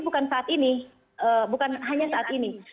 pengumuman ini bukan saat ini bukan hanya saat ini